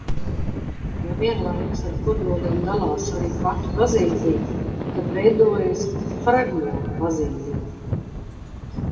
Ja vienlaikus ar kodoliem dalās arī pati bazīdija, tad veidojas fragmobazīdija.